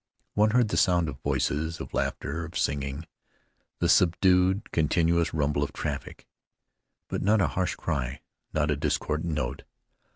One heard the sound of voices, of laughter, of singing, the subdued, continuous rumble of traffic; but not a harsh cry, not a discordant note.